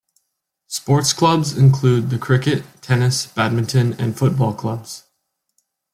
Sports clubs include the cricket, tennis, badminton and football clubs.